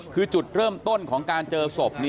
คือจุดเริ่มต้นของการเจอศพ